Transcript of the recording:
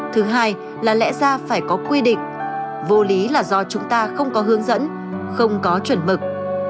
thứ hai là lẽ ra phải có quy định vô lý là do chúng ta không có hướng dẫn không có chuẩn mực